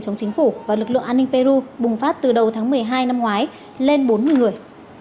chống chính phủ và lực lượng an ninh peru bùng phát từ đầu tháng một mươi hai năm ngoái lên bốn mươi người